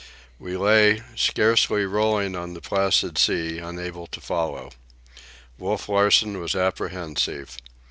We lay, scarcely rolling on the placid sea, unable to follow. Wolf Larsen was apprehensive.